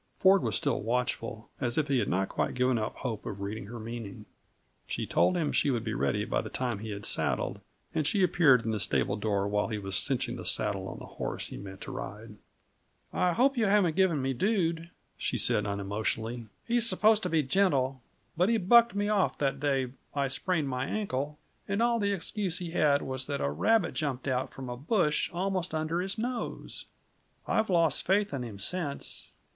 Ford was still watchful, as if he had not quite given up hope of reading her meaning. She told him she would be ready by the time he had saddled, and she appeared in the stable door while he was cinching the saddle on the horse he meant to ride. "I hope you haven't given me Dude," she said unemotionally. "He's supposed to be gentle but he bucked me off that day I sprained my ankle, and all the excuse he had was that a rabbit jumped out from a bush almost under his nose. I've lost faith in him since.